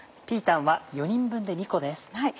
ピータンは４人分で２個です。